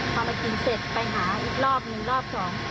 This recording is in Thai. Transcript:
พอมากินเสร็จไปหาอีกรอบหนึ่งรอบสอง